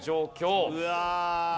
うわ！